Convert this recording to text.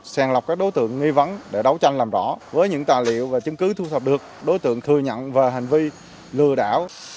sàng lọc các đối tượng nghi vấn để đấu tranh làm rõ với những tài liệu và chứng cứ thu thập được đối tượng thừa nhận về hành vi lừa đảo